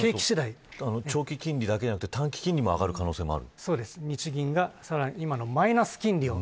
長期金利だけではなく短期金利も上がる可能性がある。